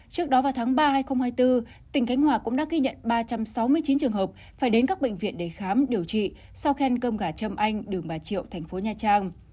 trước đó vào tháng ba hai nghìn hai mươi bốn tỉnh cánh hòa cũng đã ghi nhận ba trăm sáu mươi chín trường hợp phải đến các bệnh viện để khám điều trị sau khen cơm gà châm anh đường bà triệu thành phố nha trang